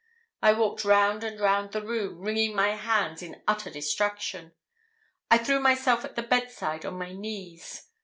I walked round and round the room, wringing my hands in utter distraction. I threw myself at the bedside on my knees.